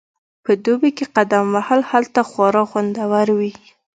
په دوبي کې قدم وهل هلته خورا خوندور وي